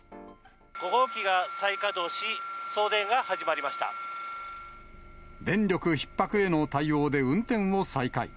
５号機が再稼働し、送電が始電力ひっ迫への対応で運転を再開。